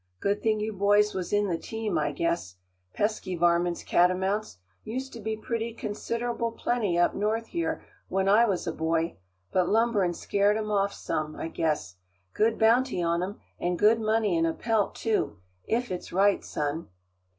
Good thing you boys was in the team, I guess. Pesky varmints, catamounts; used to be pretty considerable plenty up North here when I was a boy; but lumberin' scared 'em off some, I guess. Good bounty on 'em, an' good money in a pelt, too, if it's right, son."